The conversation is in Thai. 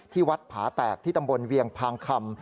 วัดผาแตกที่ตำบลเวียงพางคำ